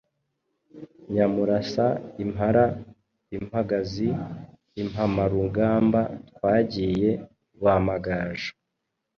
nyamurasa impara impagazi ,impamarugamba twagiye Rwamagaju.